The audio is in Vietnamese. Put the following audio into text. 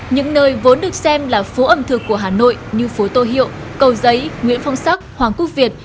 những nơi vốn được xem là phố ẩm thực của hà nội như phố tô hiệu cầu giấy nguyễn phong sắc hoàng quốc việt